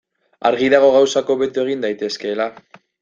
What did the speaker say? Argi dago gauzak hobeto egin daitezkeela.